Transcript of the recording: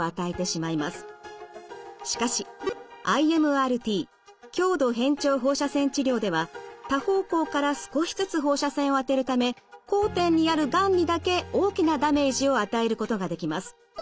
しかしＩＭＲＴ強度変調放射線治療では多方向から少しずつ放射線を当てるため交点にあるがんにだけ大きなダメージを与えることができます。